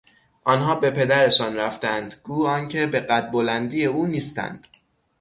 آنها به پدرشان رفتهاند گو آنکه به قد بلندی او نیستند.